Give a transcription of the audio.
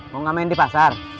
mau gak main di pasar